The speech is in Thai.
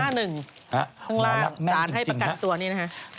หน้าหนึ่งตรงล่างสารให้ประกันตัวนี้นะฮะ